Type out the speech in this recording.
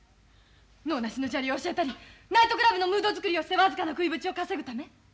能なしのジャリを教えたりナイトクラブのムード作りをして僅かな食いぶちを稼ぐため？